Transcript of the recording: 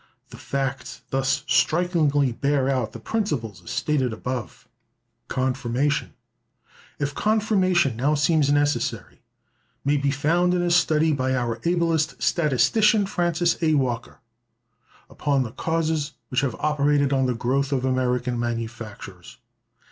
The facts thus strikingly bear out the principles as stated above. Confirmation—if confirmation now seems necessary—may be found in a study(370) by our ablest statistician, Francis A. Walker, upon the causes which have operated on the growth of American manufactures.